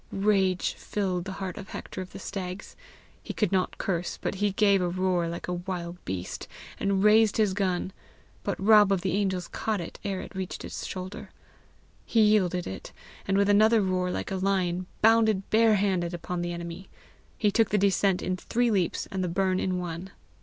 Rage filled the heart of Hector of the Stags. He could not curse, but he gave a roar like a wild beast, and raised his gun. But Rob of the Angels caught it ere it reached his shoulder. He yielded it, and, with another roar like a lion, bounded bare handed upon the enemy. He took the descent in three leaps, and the burn in one.